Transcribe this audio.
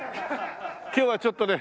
今日はちょっとね